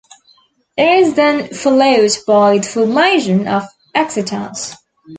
It is then followed by the formation of excitons.